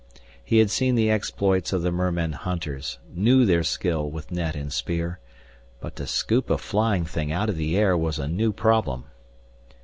He had seen the exploits of the mermen hunters, knew their skill with net and spear. But to scoop a flying thing out of the air was a new problem.